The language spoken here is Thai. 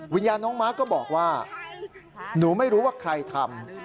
วิญญาณน้องมาร์คก็บอกว่าหนูไม่รู้ว่าใครทำ